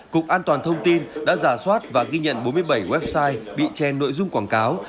cục an toàn thông tin đã giả soát và ghi nhận bốn mươi bảy website bị chen nội dung quảng cáo